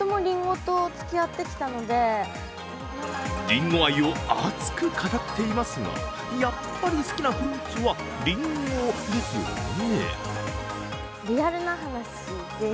りんご愛を熱く語っていますが、やっぱり好きなフルーツはりんごですよね。